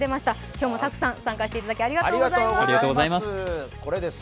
今日もたくさん参加していただきありがとうございます。